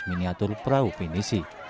miniatur perahu pinisi